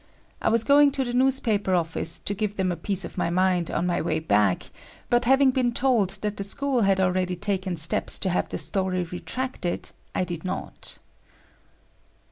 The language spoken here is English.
I was going to the newspaper office to give them a piece of my mind on my way back but having been told that the school had already taken steps to have the story retracted, I did not.